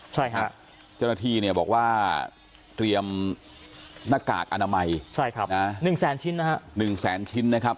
จัตรฐีได้บอกว่าเตรียมหน้ากากอนามัย๑แสนชิ้นนะครับ